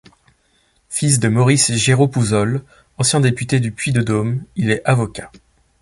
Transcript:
Fils de Maurice Girot-Pouzol, ancien député du Puy-de-Dôme, il est avocat.